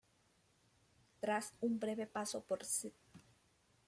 Tras un breve paso por St.